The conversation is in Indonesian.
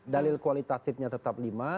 dalil kualitatifnya tetap lima